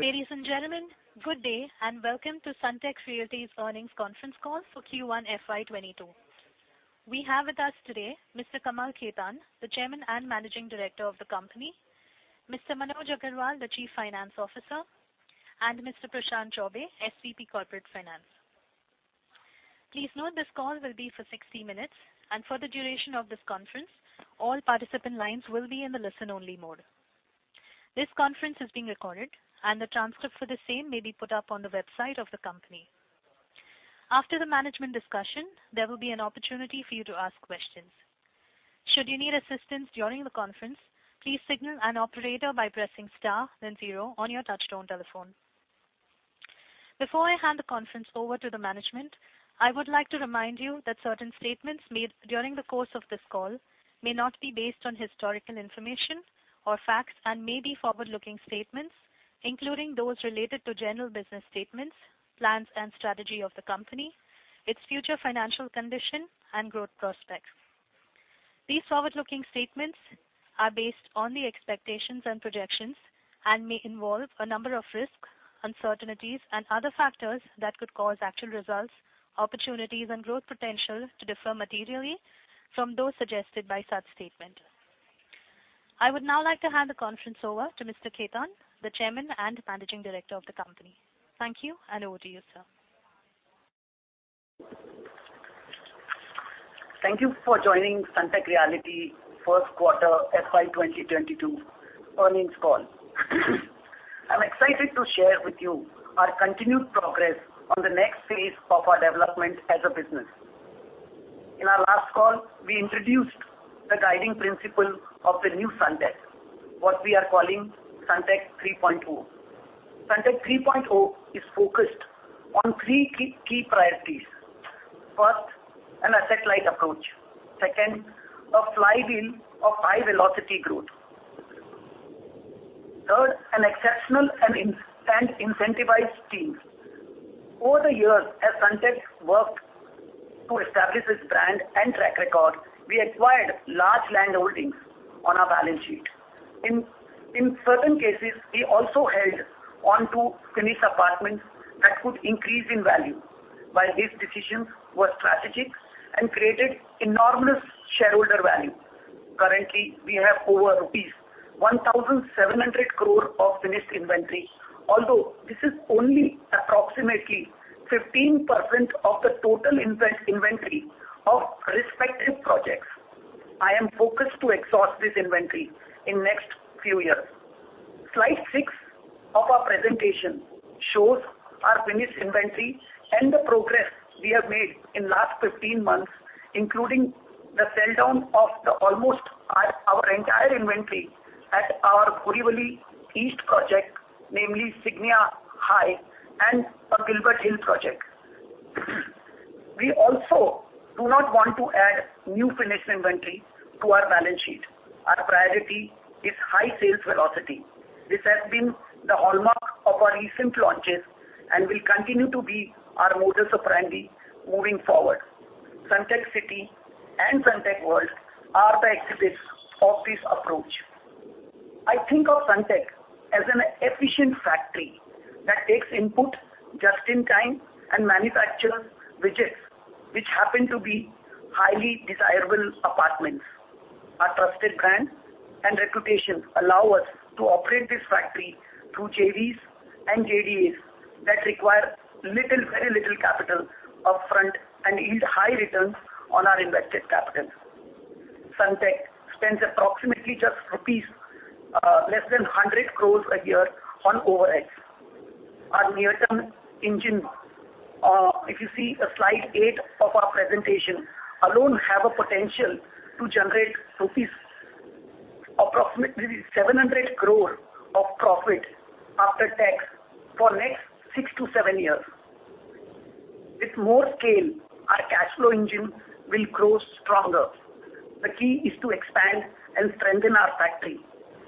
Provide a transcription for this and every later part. Ladies and gentlemen, good day, and welcome to Sunteck Realty's earnings conference call for Q1 FY 2022. We have with us today Mr. Kamal Khetan, the Chairman and Managing Director of the company, Mr. Manoj Agarwal, the Chief Finance Officer, and Mr. Prashant Chaubey, SVP Corporate Finance. Please note this call will be for 60 minutes, and for the duration of this conference, all participant lines will be in the listen-only mode. This conference is being recorded, and the transcript for the same may be put up on the website of the company. After the management discussion, there will be an opportunity for you to ask questions. Should you need assistance during the conference, please signal an operator by pressing star then zero on your touch-tone telephone. Before I hand the conference over to the management, I would like to remind you that certain statements made during the course of this call may not be based on historical information or facts and may be forward-looking statements, including those related to general business statements, plans and strategy of the company, its future financial condition, and growth prospects. These forward-looking statements are based on the expectations and projections and may involve a number of risks, uncertainties, and other factors that could cause actual results, opportunities, and growth potential to differ materially from those suggested by such statements. I would now like to hand the conference over to Mr. Khetan, the Chairman and Managing Director of the company. Thank you, and over to you, sir. Thank you for joining Sunteck Realty first quarter FY 2022 earnings call. I'm excited to share with you our continued progress on the next phase of our development as a business. In our last call, we introduced the guiding principle of the new Sunteck, what we are calling Sunteck 3.0. Sunteck 3.0 is focused on three key priorities. First, an asset-light approach. Second, a flywheel of high-velocity growth. Third, an exceptional and incentivized team. Over the years, as Sunteck worked to establish its brand and track record, we acquired large landholdings on our balance sheet. In certain cases, we also held onto finished apartments that would increase in value. While these decisions were strategic and created enormous shareholder value, currently, we have over rupees 1,700 crore of finished inventory. Although this is only approximately 15% of the total inventory of respective projects. I am focused to exhaust this inventory in next few years. Slide six of our presentation shows our finished inventory and the progress we have made in last 15 months, including the sell-down of almost our entire inventory at our Borivali East project, namely Signia High and our Gilbert Hill project. We also do not want to add new finished inventory to our balance sheet. Our priority is high sales velocity. This has been the hallmark of our recent launches and will continue to be our modus operandi moving forward. Sunteck City and Sunteck World are the exhibits of this approach. I think of Sunteck as an efficient factory that takes input just in time and manufactures widgets, which happen to be highly desirable apartments. Our trusted brand and reputation allow us to operate this factory through JVs and JDAs that require very little capital upfront and yield high returns on our invested capital. Sunteck spends approximately just less than 100 crores a year on overheads. Our near-term engine, if you see slide eight of our presentation, alone have a potential to generate approximately 700 crore of profit after tax for next six to seven years. With more scale, our cash flow engine will grow stronger. The key is to expand and strengthen our factory,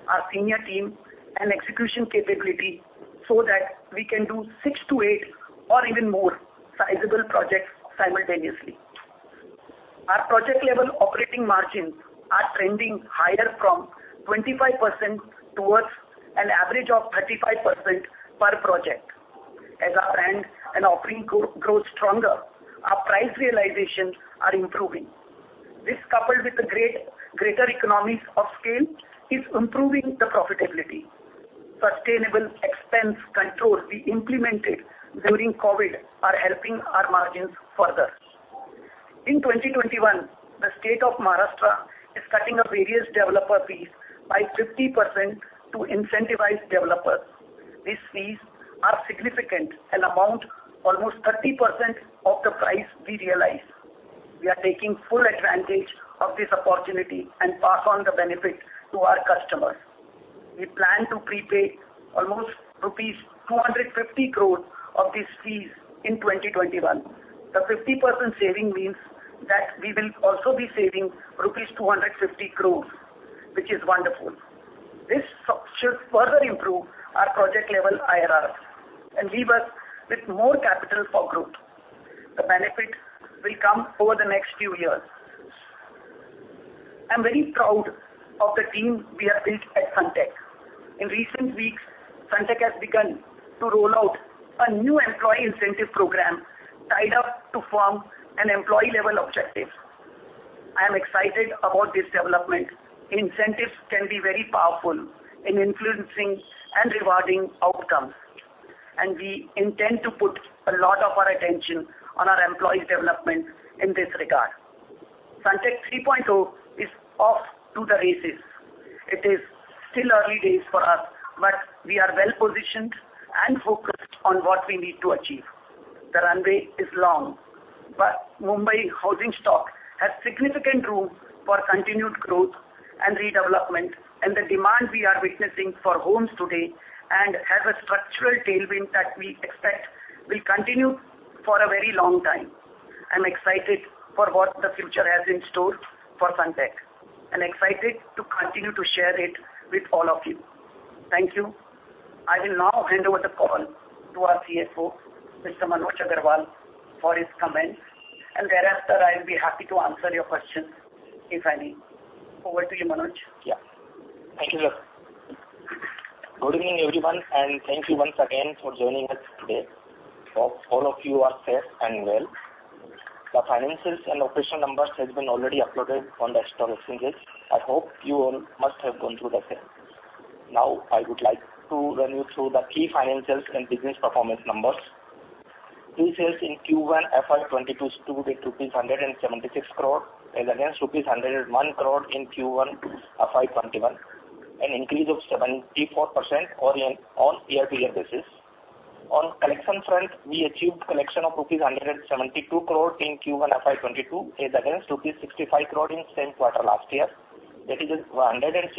our senior team, and execution capability so that we can do six to eight or even more sizable projects simultaneously. Our project-level operating margins are trending higher from 25% towards an average of 35% per project. As our brand and offering grow stronger, our price realizations are improving. This, coupled with the greater economies of scale, is improving the profitability. Sustainable expense controls we implemented during COVID are helping our margins further. In 2021, the state of Maharashtra is cutting various developer fees by 50% to incentivize developers. These fees are significant and amount almost 30% of the price we realize. We are taking full advantage of this opportunity and pass on the benefit to our customers. We plan to prepay almost rupees 250 crore of these fees in 2021. The 50% saving means that we will also be saving rupees 250 crore, which is wonderful. This should further improve our project-level IRRs and leave us with more capital for growth. The benefit will come over the next few years. I'm very proud of the team we have built at Sunteck. In recent weeks, Sunteck has begun to roll out a new employee incentive program tied up to form an employee-level objective. I am excited about this development. Incentives can be very powerful in influencing and rewarding outcomes, and we intend to put a lot of our attention on our employees' development in this regard. Sunteck 3.0 is off to the races. It is still early days for us, but we are well-positioned and focused on what we need to achieve. The runway is long, but Mumbai housing stock has significant room for continued growth and redevelopment, and the demand we are witnessing for homes today, and has a structural tailwind that we expect will continue for a very long time. I'm excited for what the future has in store for Sunteck and excited to continue to share it with all of you. Thank you. I will now hand over the call to our CFO, Mr. Manoj Agarwal, for his comments, and thereafter, I'll be happy to answer your questions if any. Over to you, Manoj. Yeah. Thank you. Good evening, everyone, and thank you once again for joining us today. Hope all of you are safe and well. The finances and operational numbers has been already uploaded on the investor relationships. I hope you all must have gone through the same. Now, I would like to run you through the key financials and business performance numbers. Pre-sales in Q1 FY 2022 stood at rupees 176 crore as against rupees 101 crore in Q1 FY 2021, an increase of 74% on year-to-year basis. On collection front, we achieved collection of rupees 172 crore in Q1 FY 2022 as against rupees 65 crore in same quarter last year. That is a 165%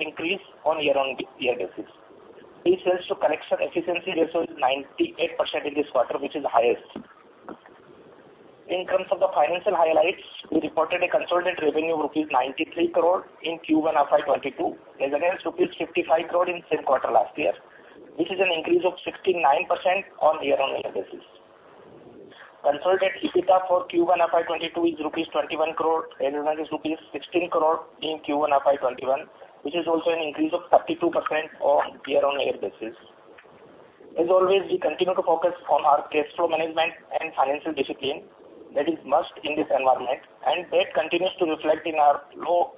increase on year-on-year basis. Pre-sales to collection efficiency ratio is 98% in this quarter, which is the highest. In terms of the financial highlights, we reported a consolidated revenue, rupees 93 crore in Q1 FY 2022 as against rupees 55 crore in same quarter last year, which is an increase of 69% on year-over-year basis. Consolidated EBITDA for Q1 FY 2022 is rupees 21 crore as against rupees 16 crore in Q1 FY 2021, which is also an increase of 32% on year-over-year basis. As always, we continue to focus on our cash flow management and financial discipline. That is must in this environment, and that continues to reflect in our low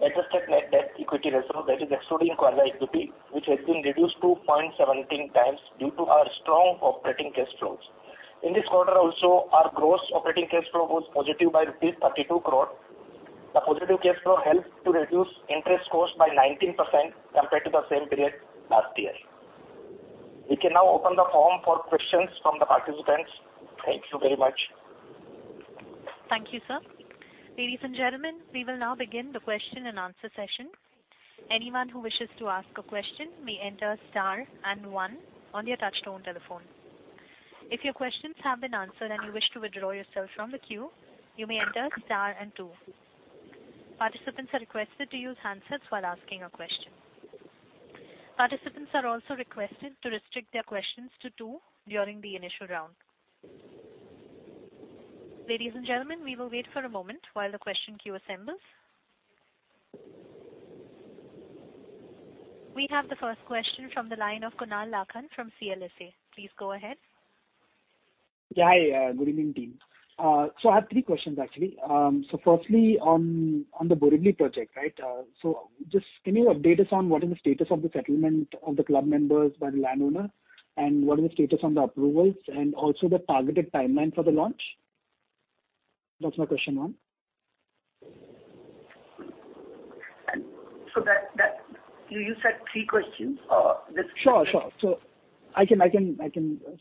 adjusted net debt/equity ratio, that is excluding quasi equity, which has been reduced to 0.17x due to our strong operating cash flows. In this quarter also, our gross operating cash flow was positive by rupees 32 crore. The positive cash flow helped to reduce interest costs by 19% compared to the same period last year. We can now open the forum for questions from the participants. Thank you very much. Thank you, sir. Ladies and gentlemen, we will now begin the question and answer session. Anyone who wishes to ask a question may enter star and one on your touchtone telephone. If your questions have been answered and you wish to withdraw yourself from the queue, you may enter star and two. Participants are requested to use handsets while asking a question. Participants are also requested to restrict their questions to two during the initial round. Ladies and gentlemen, we will wait for a moment while the question queue assembles. We have the first question from the line of Kunal Lakhan from CLSA. Please go ahead. Yeah. Hi, good evening, team. I have three questions, actually. Firstly, on the Borivali project, can you update us on what is the status of the settlement of the club members by the landowner, and what is the status on the approvals and also the targeted timeline for the launch? That's my question one. You said three questions or just? Sure. I can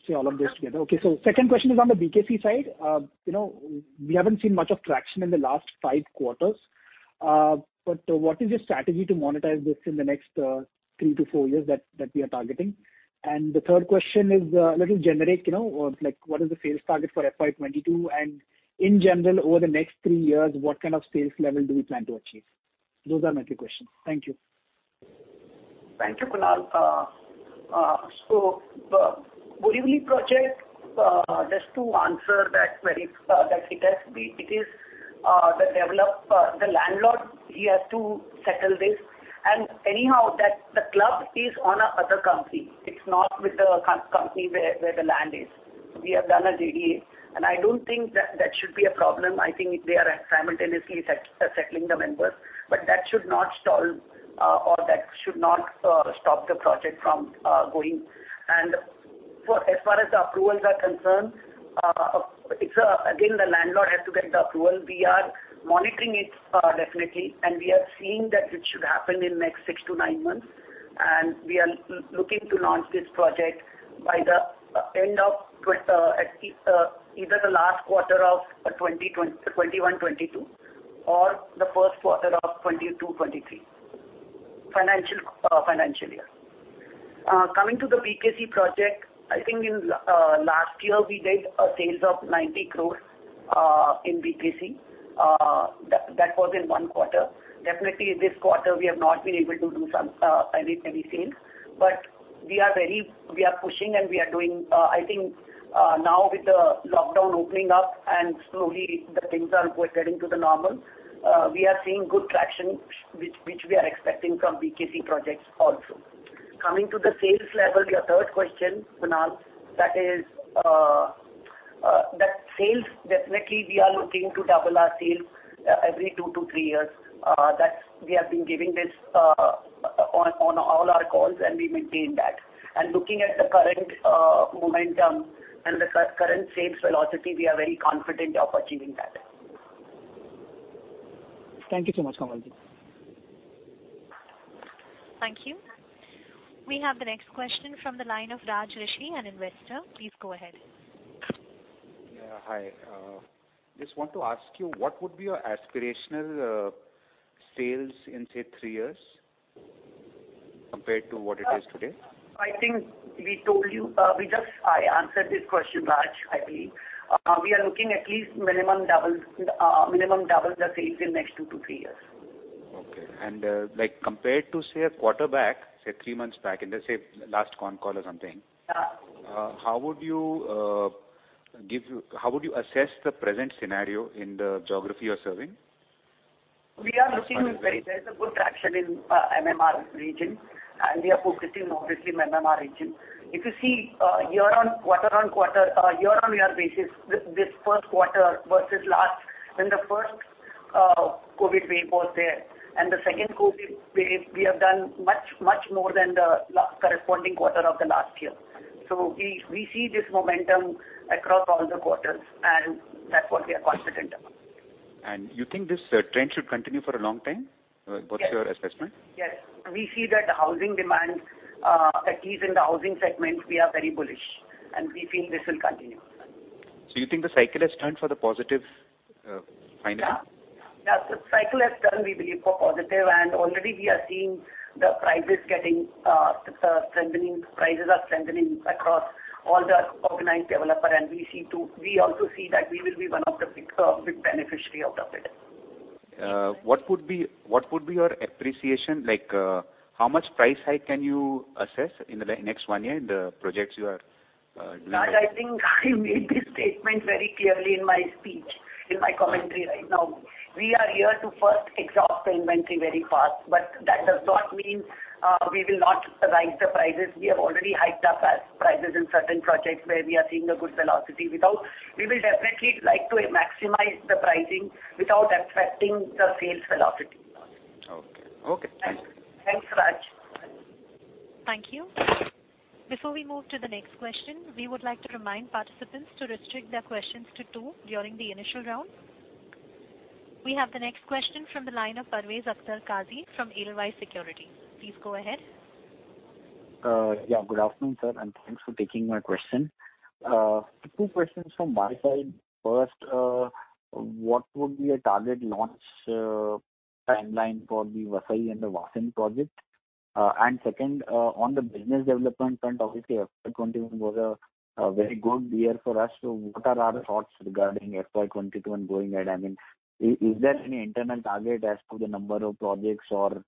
say all of those together. Okay. Second question is on the BKC side. We haven't seen much of traction in the last five quarters. What is your strategy to monetize this in the next three to four years that we are targeting? The third question is a little generic. What is the sales target for FY 2022? In general, over the next three years, what kind of sales level do we plan to achieve? Those are my three questions. Thank you. Thank you, Kunal. Borivali project, just to answer that query, the landlord, he has to settle this. Anyhow, the club is on other company. It's not with the company where the land is. We have done a JDA, and I don't think that should be a problem. I think they are simultaneously settling the members, but that should not stall or that should not stop the project from going. As far as the approvals are concerned, again, the landlord has to get the approval. We are monitoring it definitely, and we are seeing that it should happen in next six to nine months. We are looking to launch this project by either the last quarter of 2021/2022 or the first quarter of 2022/2023 financial year. Coming to the BKC project, I think in last year, we did a sales of 90 crore in BKC. That was in one quarter. Definitely this quarter, we have not been able to do any sales. We are pushing and we are doing. I think now with the lockdown opening up and slowly the things are getting to the normal, we are seeing good traction, which we are expecting from BKC projects also. Coming to the sales level, your third question, Kunal. Sales, definitely we are looking to double our sales every two to three years. We have been giving this on all our calls and we maintain that. Looking at the current momentum and the current sales velocity, we are very confident of achieving that. Thank you so much, Kamal. Thank you. We have the next question from the line of Raj Rishi, an investor. Please go ahead. Hi. Just want to ask you, what would be your aspirational sales in, say, three years compared to what it is today? I think we told you. I answered this question, Raj, I believe. We are looking at least minimum double the sales in next two to three years. Okay. Compared to, say, a quarter back, say three months back in, let's say last con call or something. Yeah How would you assess the present scenario in the geography you're serving? There's a good traction in MMR region, and we are focusing obviously MMR region. If you see year-over-year basis, this first quarter versus last, when the first COVID wave was there, and the second COVID wave, we have done much more than the corresponding quarter of the last year. We see this momentum across all the quarters, and that's what we are confident about. You think this trend should continue for a long time? What's your assessment? Yes. We see that at least in the housing segment, we are very bullish, and we feel this will continue. You think the cycle has turned for the positive finally? Yeah. The cycle has turned, we believe, for positive, and already we are seeing the prices are strengthening across all the organized developer. We also see that we will be one of the big beneficiary out of it. What would be your appreciation? How much price hike can you assess in the next one year in the projects you are developing? Raj, I think I made this statement very clearly in my commentary right now. We are here to first exhaust the inventory very fast, that does not mean we will not raise the prices. We have already hiked up our prices in certain projects where we are seeing a good velocity. We will definitely like to maximize the pricing without affecting the sales velocity. Okay. Thank you. Thanks, Raj. Thank you. Before we move to the next question, we would like to remind participants to restrict their questions to two during the initial round. We have the next question from the line of Parvez Akhtar Qazi from Edelweiss Securities. Please go ahead. Yeah. Good afternoon, sir, and thanks for taking my question. Two questions from my side. First, what would be a target launch timeline for the Vasai and the Vasind project? Second, on the business development front, obviously FY 2021 was a very good year for us. What are our thoughts regarding FY 2022 and going ahead? Is there any internal target as to the number of projects or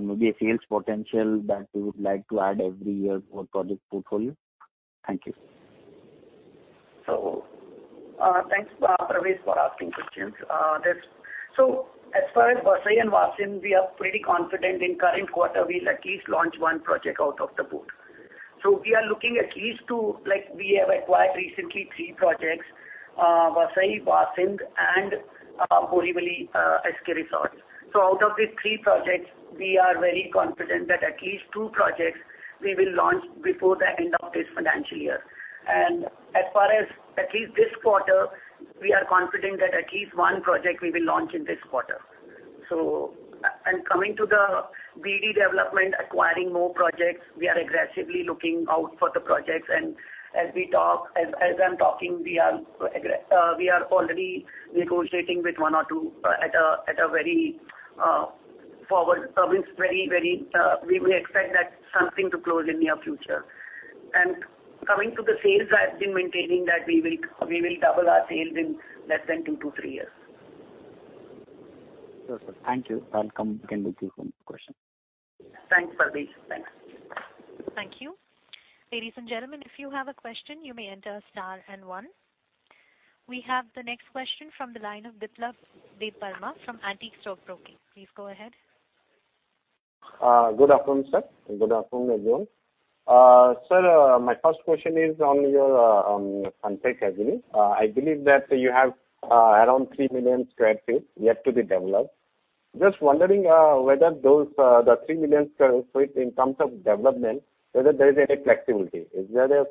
maybe a sales potential that you would like to add every year for project portfolio? Thank you. Thanks, Parvez, for asking questions. As far as Vasai and Vasind, we are pretty confident in current quarter we'll at least launch one project out of the both. We are looking at least two. We have acquired recently three projects, Vasai, Vasind, and Borivali Eskay Resorts. Out of these three projects, we are very confident that at least two projects we will launch before the end of this financial year. As far as at least this quarter, we are confident that at least one project we will launch in this quarter. Coming to the BD development, acquiring more projects, we are aggressively looking out for the projects. As I'm talking, we are already negotiating with one or two. We may expect that something to close in near future. Coming to the sales, I have been maintaining that we will double our sales in less than two to three years. Sure, sir. Thank you. I'll come again with few more questions. Thanks, Parvez. Thanks. Thank you. Ladies and gentlemen, if you have a question, you may enter star one. We have the next question from the line of Biplab Debbarma from Antique Stock Broking. Please go ahead. Good afternoon, Sir. Good afternoon, everyone. Sir, my first question is on your Sunteck Avenue. I believe that you have around 3 million sq ft yet to be developed. Just wondering whether the 3 million sq ft in terms of development, whether there is any flexibility. Is there a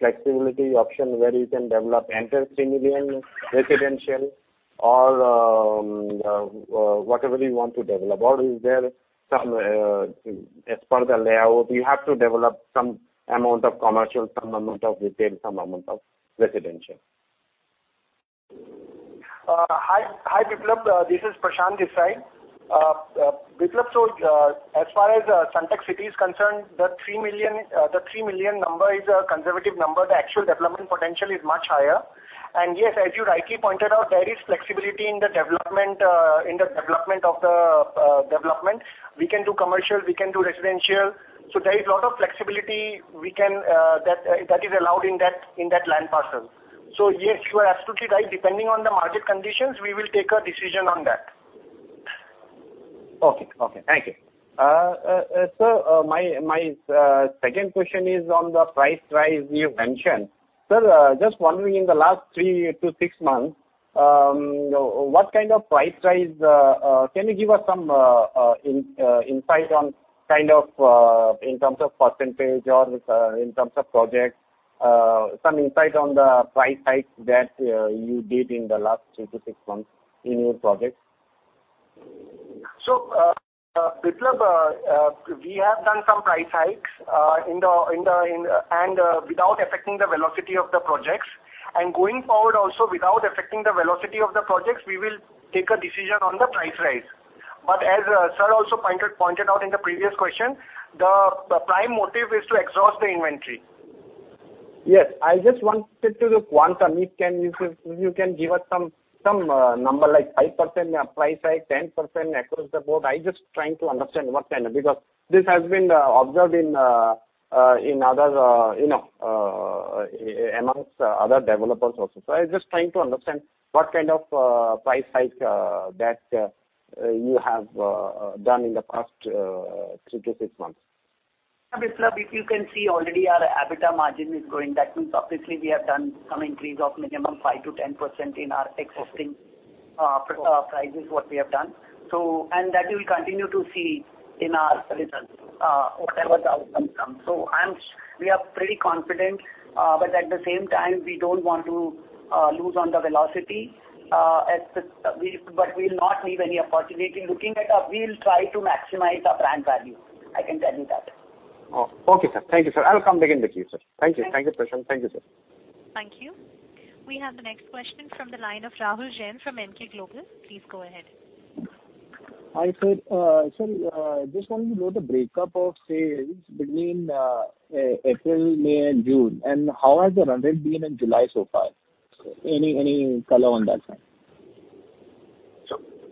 flexibility option where you can develop entire 3 million residential or whatever you want to develop? Is there, as per the layout, you have to develop some amount of commercial, some amount of retail, some amount of residential? Hi, Biplab. This is Prashant Chaubey. Biplab, as far as the Sunteck City is concerned, the 3 million number is a conservative number. The actual development potential is much higher. Yes, as you rightly pointed out, there is flexibility in the development of the development. We can do commercial, we can do residential. There is a lot of flexibility that is allowed in that land parcel. Yes, you are absolutely right. Depending on the market conditions, we will take a decision on that. Okay. Thank you. Sir, my second question is on the price rise you mentioned. Sir, just wondering in the last three to six months, can you give us some insight in terms of percentage or in terms of projects, some insight on the price hike that you did in the last three to six months in your projects? Biplab, we have done some price hikes and without affecting the velocity of the projects. Going forward also, without affecting the velocity of the projects, we will take a decision on the price rise. As sir also pointed out in the previous question, the prime motive is to exhaust the inventory. Yes. I just wanted to look quantum. If you can give us some number, like 5% price hike, 10% across the board. I'm just trying to understand what kind, because this has been observed amongst other developers also. I was just trying to understand what kind of price hike that you have done in the past three to six months. Biplab, if you can see already our EBITDA margin is going back. That means obviously we have done some increase of minimum 5%-10% in our existing prices, what we have done. That you'll continue to see in our results, whatever the outcome comes. We are pretty confident. At the same time, we don't want to lose on the velocity. We'll not leave any opportunity. Looking at up, we'll try to maximize our brand value. I can tell you that. Okay, sir. Thank you, sir. I'll come back in with you, sir. Thank you. Thank you, Prashant. Thank you, sir. Thank you. We have the next question from the line of Rahul Jain from Emkay Global. Please go ahead. Hi, sir. Sir, just wanted to know the breakup of sales between April, May, and June, and how has the run rate been in July so far? Any color on that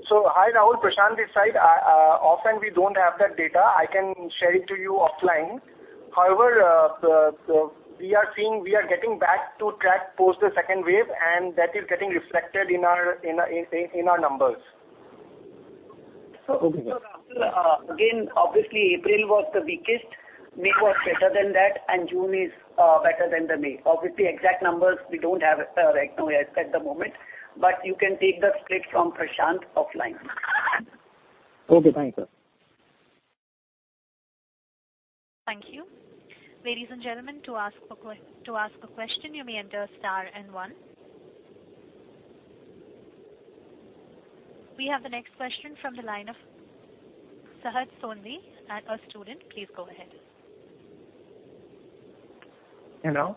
front? Hi, Rahul. Prashant this side. Often we don't have that data. I can share it to you offline. We are seeing we are getting back to track post the second wave, and that is getting reflected in our numbers. Okay. Sir, Rahul, obviously April was the weakest. May was better than that, June is better than the May. Obviously, exact numbers we don't have right now as at the moment, you can take the split from Prashant offline. Okay. Thank you, sir. Thank you. Ladies and gentlemen. We have the next question from the line of Sahad Sondi, a student. Please go ahead. Hello.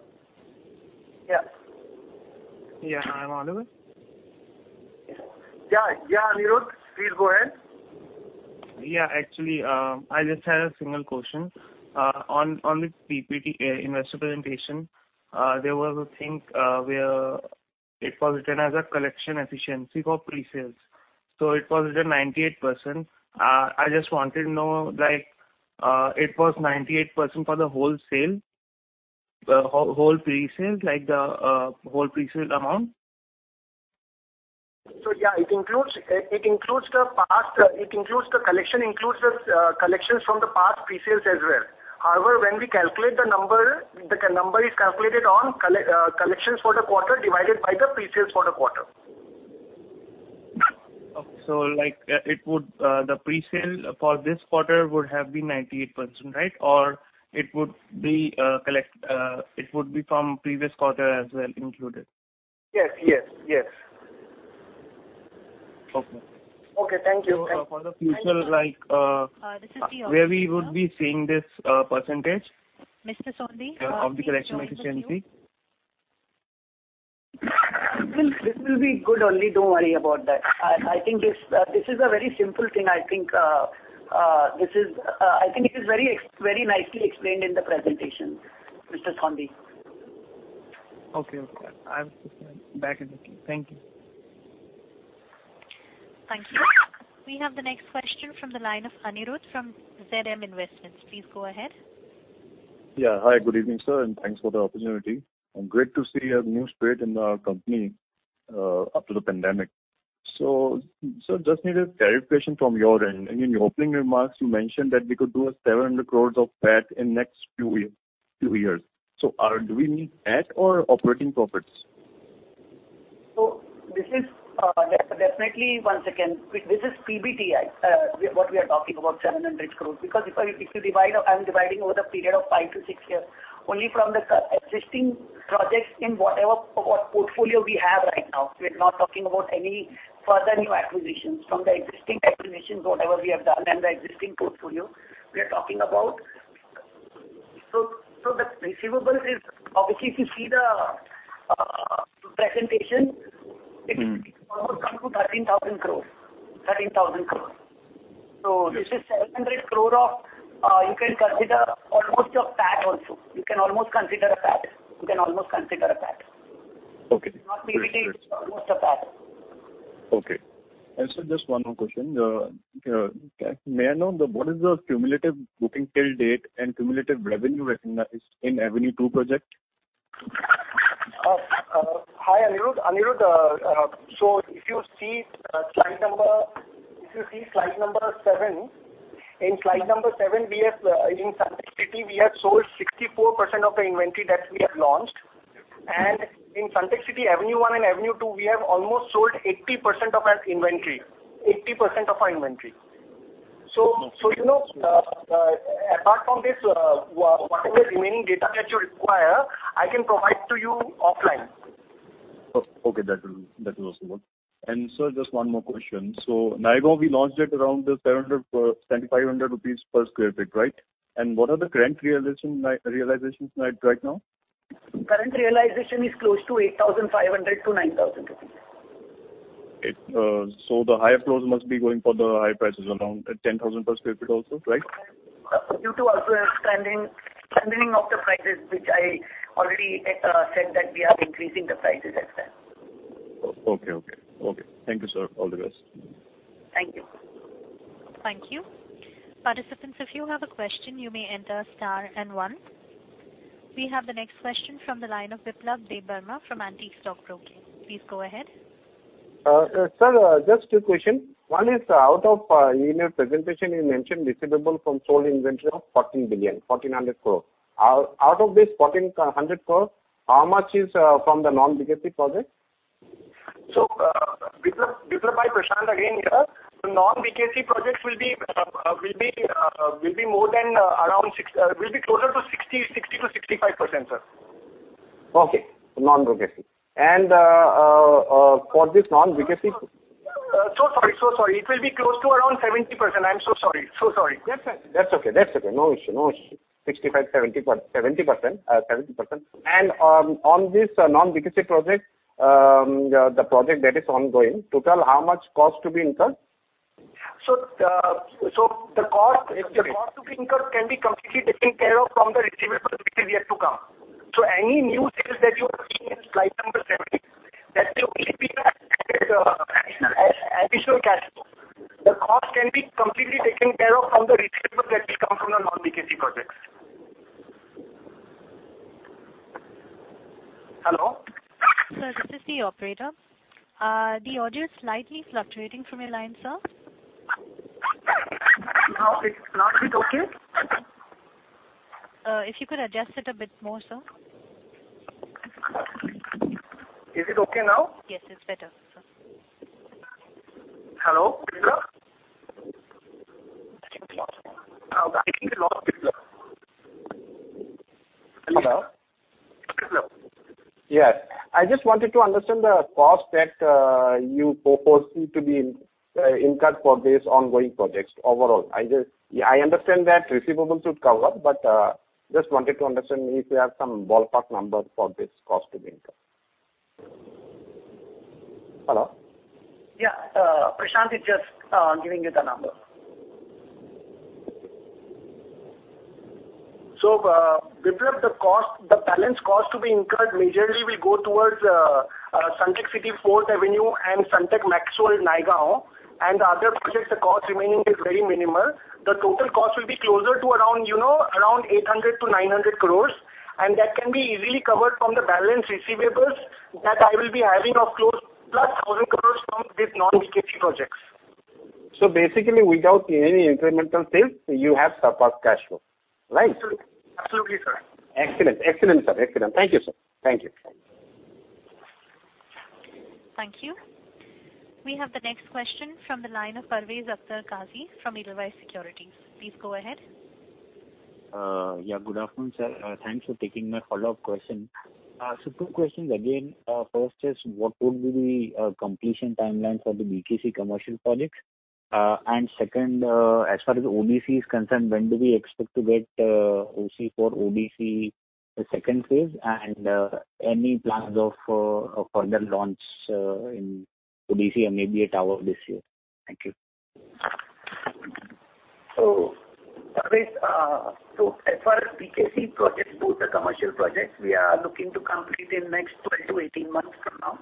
Yeah. Yeah. I'm audible? Yeah. Anirudh, please go ahead. Yeah. Actually, I just had a single question. On the PPT investor presentation, there was a thing where it was written as a collection efficiency for pre-sales. It was written 98%. I just wanted to know, it was 98% for the whole pre-sales, like the whole pre-sale amount? Yeah, the collection includes the collections from the past pre-sales as well. However, when we calculate the number, the number is calculated on collections for the quarter divided by the pre-sales for the quarter. Okay. The pre-sale for this quarter would have been 98%, right? It would be from previous quarter as well included? Yes. Okay. Okay. Thank you. So for the future- This is the operator where we would be seeing this percentage. Mr. Sondi of the collection efficiency? This will be good only. Don't worry about that. I think this is a very simple thing. I think it is very nicely explained in the presentation, Mr. Sondi. Okay. I'm back in the queue. Thank you. Thank you. We have the next question from the line of Anirudh from ZM Investments. Please go ahead. Yeah. Hi. Good evening, sir, and thanks for the opportunity, and great to see a new spirit in the company after the pandemic. Sir, just need a clarification from your end. In your opening remarks, you mentioned that we could do a 700 crores of PAT in next few years. Do we mean PAT or operating profits? Definitely once again, this is PBIT, what we are talking about 700 crores. If you are dividing over the period of five to six years, only from the existing projects in whatever portfolio we have right now. We are not talking about any further new acquisitions. From the existing acquisitions, whatever we have done, and the existing portfolio, we are talking about. The receivables is, obviously, if you see the presentation, It's almost come to 13,000 crore. This is 700 crore of, you can consider almost your PAT also. You can almost consider a PAT. Okay. Great. Not pre-date, it's almost a PAT. Okay. Sir, just one more question. May I know what is the cumulative booking till date and cumulative revenue recognized in Avenue 2 project? Hi, Anirudh. Anirudh, if you see slide number seven, in slide number seven, in Sunteck City, we have sold 64% of the inventory that we have launched. In Sunteck City Avenue 1 and Avenue 2, we have almost sold 80% of our inventory. Apart from this, whatever remaining data that you require, I can provide to you offline. Okay, that will also work. Sir, just one more question. Naigaon, we launched it around the 7,500 rupees per square feet, right? What are the current realizations right now? Current realization is close to 8,500-9,000 rupees. The higher floors must be going for the high prices around at 10,000 per sq ft also, right? Due to also a strengthening of the prices, which I already said that we are increasing the prices as such. Okay. Thank you, sir. All the best. Thank you. Thank you. Participants, if you have a question, you may enter star and one. We have the next question from the line of Biplab Debbarma from Antique Stock Broking. Please go ahead. Sir, just two question. One is, in your presentation you mentioned receivable from sold inventory of 1,400 crore. Out of this 1,400 crore, how much is from the non-BKC projects? Biplab, Prashant again here. Non-BKC projects will be closer to 60%-65%, sir. Okay. Non-BKC. For this non-BKC- Sorry. It will be close to around 70%. I'm so sorry. That's okay. No issue. 70%. On this non-BKC project, the project that is ongoing, total how much cost to be incurred? The cost to be incurred can be completely taken care of from the receivables which is yet to come. Any new sales that you are seeing in slide number seven, that will only be additional cash flow. The cost can be completely taken care of from the receivables that will come from the non-BKC projects. Hello? Sir, this is the operator. The audio is slightly fluctuating from your line, sir. Now it's okay? If you could adjust it a bit more, sir. Is it okay now? Yes, it's better, sir. Hello, Biplab? I think we lost Biplab. Hello? Biplab? Yeah. I just wanted to understand the cost that you foresee to be incurred for these ongoing projects overall. I understand that receivables would cover, but just wanted to understand if you have some ballpark number for this cost to be incurred. Hello? Yeah. Prashant is just giving you the number. Biplab, the balance cost to be incurred majorly will go towards Sunteck City 4th Avenue and Sunteck MaxXWorld Naigaon. The other projects, the cost remaining is very minimal. The total cost will be closer to around 800 crores-900 crores, and that can be easily covered from the balance receivables that I will be having of close plus 1,000 crores from this non-BKC projects. Basically, without any incremental sales, you have surplus cash flow, right? Absolutely, sir. Excellent, sir. Excellent. Thank you, sir. Thank you. We have the next question from the line of Parvez Akhtar Qazi from Edelweiss Securities. Please go ahead. Yeah, good afternoon, sir. Thanks for taking my follow-up question. Two questions again. First is, what would be the completion timeline for the BKC commercial projects? Second, as far as ODC is concerned, when do we expect to get OC for ODC the second phase, and any plans of a further launch in ODC, maybe a tower this year? Thank you. Parvez, as far as BKC projects, both the commercial projects, we are looking to complete in next 12-18 months from now.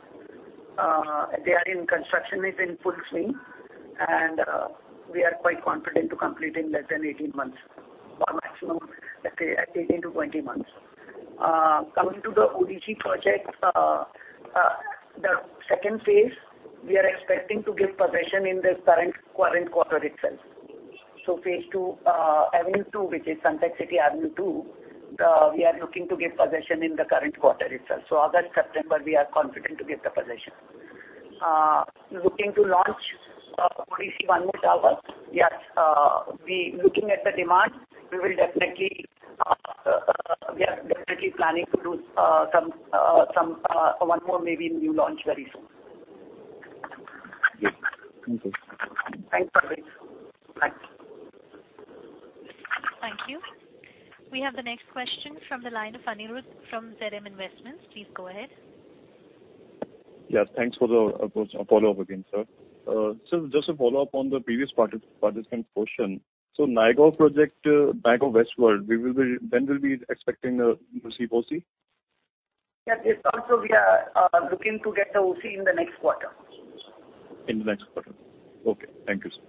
They are in construction, is in full swing, we are quite confident to complete in less than 18 months or maximum 18-20 months. Coming to the ODC project, the second phase, we are expecting to give possession in the current quarter itself. Phase 2, Avenue 2, which is Sunteck City Avenue 2, we are looking to give possession in the current quarter itself. August, September, we are confident to give the possession. Looking to launch ODC one more tower. Yes. Looking at the demand, we are definitely planning to do one more maybe new launch very soon. Yes. Thank you. Thanks, Parvez. Thanks. Thank you. We have the next question from the line of Anirudh from ZM Investments. Please go ahead. Yeah, thanks for the approach. I'll follow up again, sir. Sir, just to follow up on the previous participant's question. Naigaon project, Naigaon Westworld, when we'll be expecting to receive OC? Yeah, this also we are looking to get the OC in the next quarter. In the next quarter. Okay. Thank you, sir.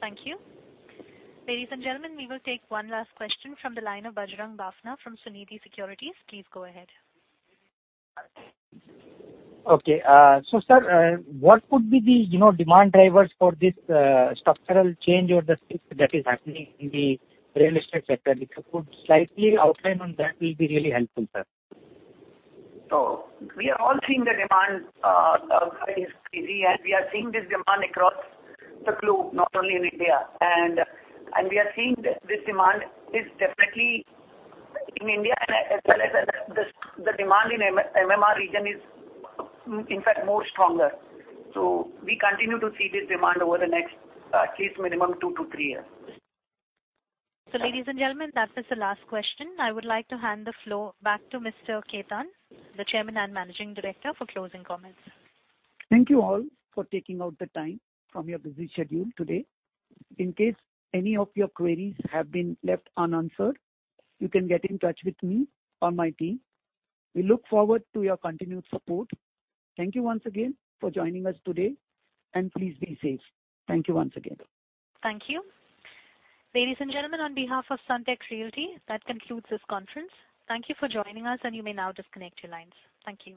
Thank you. Ladies and gentlemen, we will take one last question from the line of Bajrang Bafna from Sunidhi Securities. Please go ahead. Okay. Sir, what could be the demand drivers for this structural change or the shift that is happening in the real estate sector? If you could slightly outline on that, will be really helpful, sir. We are all seeing the demand is crazy, and we are seeing this demand across the globe, not only in India. We are seeing this demand is definitely in India, as well as the demand in MMR region is in fact more stronger. We continue to see this demand over the next at least minimum two to three years. Ladies and gentlemen, that was the last question. I would like to hand the floor back to Mr. Kamal Khetan, the Chairman and Managing Director, for closing comments. Thank you all for taking out the time from your busy schedule today. In case any of your queries have been left unanswered, you can get in touch with me or my team. We look forward to your continued support. Thank you once again for joining us today, and please be safe. Thank you once again. Thank you. Ladies and gentlemen, on behalf of Sunteck Realty, that concludes this conference. Thank you for joining us, and you may now disconnect your lines. Thank you.